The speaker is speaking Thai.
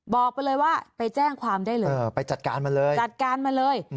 บอกไปเลยว่าไปแจ้งความได้เลยไปจัดการมาเลย